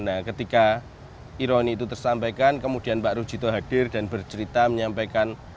nah ketika ironi itu tersampaikan kemudian pak rujito hadir dan bercerita menyampaikan